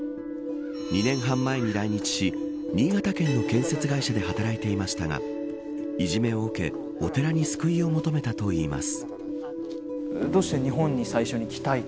２年半前に来日し新潟県の建設会社で働いていましたがいじめを受け、お寺に救いを求めたといいます。